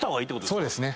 そうですね。